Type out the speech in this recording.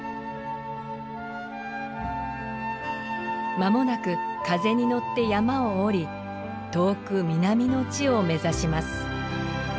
まもなく風に乗って山を下り遠く南の地を目指します。